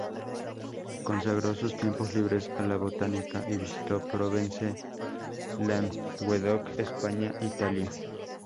Consagró sus tiempos libres a la botánica y visita Provence, Languedoc, España, Italia.